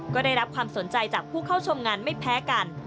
ก็ได้รับความสนใจจากผู้เข้าชมงานไม่แพ้กัน